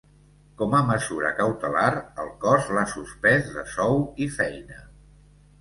Com a mesura cautelar, el cos l’ha suspès de sou i feina.